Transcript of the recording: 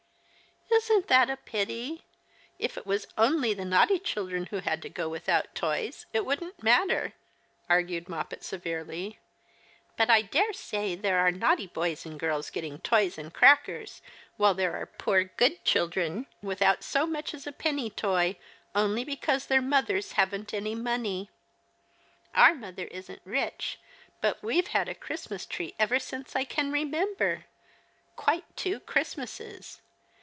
" Isn't that a pity ? If it was only the naughty children who had to go without toys it wouldn't matter," argued Moppet, severely ;" but I dare say there are naughty boys and girls getting toys and crackers, while there are poor good children without so much as a penny toy, only because their mothers haven't any money. Our mother isn't rich, but we've had a Christmas tree ever since I can remember — quite two Christmases.